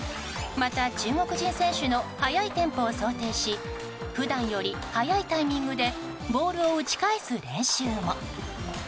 また、中国人選手の速いテンポを想定し普段より早いタイミングでボールを打ち返す練習も。